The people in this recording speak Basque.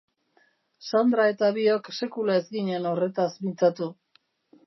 Sandra eta biok sekula ez ginen horretaz mintzatu.